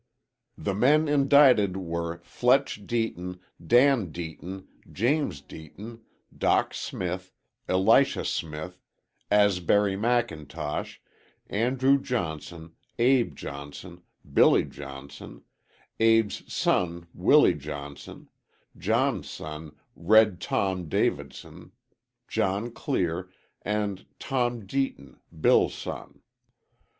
The men indicted were "Fletch" Deaton, Dan Deaton, James Deaton, Dock Smith, Elisha Smith, Asberry McIntosh, Andrew Johnson, Abe Johnson, Billy Johnson, Abe's son, Willie Johnson, John's son, "Red Tom" Davidson, John Clear and Tom Deaton, Bill's son.